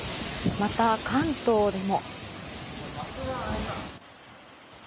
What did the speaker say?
また、関東でも。